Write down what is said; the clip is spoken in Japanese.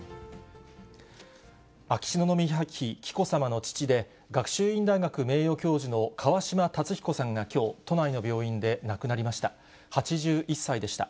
秋篠宮妃紀子さまの父で、学習院大学名誉教授の川嶋辰彦さんがきょう、都内の病院で亡くなりました。